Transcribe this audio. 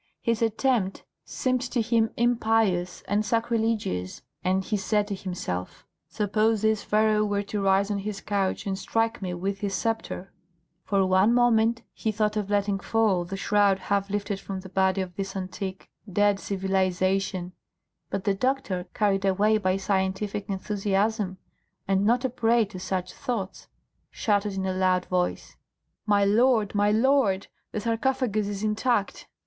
His attempt seemed to him impious and sacrilegious, and he said to himself, "Suppose this Pharaoh were to rise on his couch and strike me with his sceptre." For one moment he thought of letting fall the shroud half lifted from the body of this antique, dead civilisation, but the doctor, carried away by scientific enthusiasm, and not a prey to such thoughts, shouted in a loud voice, "My lord, my lord, the sarcophagus is intact!"